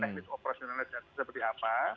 teknik operasionalnya seperti apa